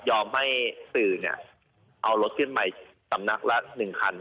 ยอมให้ศืนเอารถขึ้นไปสำนักละ๑คัน